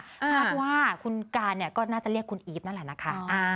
คาดว่าคุณการเนี่ยก็น่าจะเรียกคุณอีฟนั่นแหละนะคะ